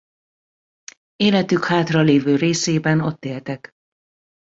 Életük hátralévő részében ott éltek.